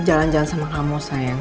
jalan jalan sama kamu sayang